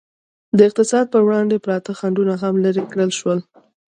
د اقتصاد پر وړاندې پراته خنډونه هم لرې کړل شول.